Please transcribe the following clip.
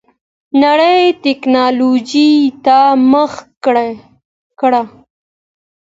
نړۍ ټيکنالوجۍ ته مخه کړه.